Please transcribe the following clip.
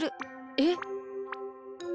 えっ？